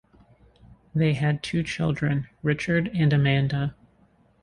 They had two children, Richard and Amanda.